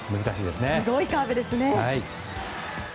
すごいカーブですね！